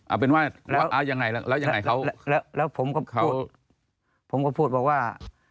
เอาเป็นว่าเอายังไงแล้วยังไงเขาแล้วผมกับเขาผมก็พูดบอกว่า